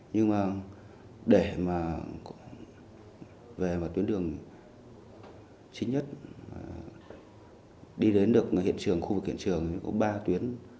nhưng mà để mà về một tuyến đường chính nhất đi đến được hiện trường khu vực hiện trường thì có ba tuyến